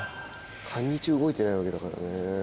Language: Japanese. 半日動いてないわけだからね。